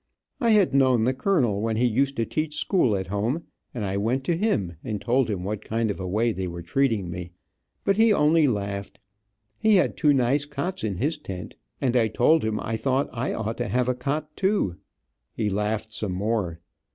I had known the colonel when he used to teach school at home, and I went to him and told him what kind of a way they were treating me, but he only laughed. He had two nice cots in his tent, and I told him I thought I ought to have a cot, too. He laughed some more.